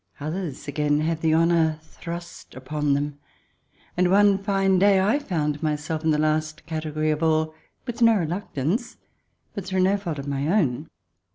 Others, again, have the honour thrust upon them. And one fine day I found myself in the last category of all, with no reluctance, but through no fault of my own.